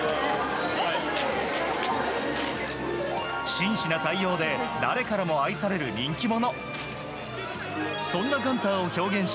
紳士な対応で誰からも愛される人気者。